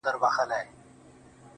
ژوند له زحمته نه پرمختګ کوي.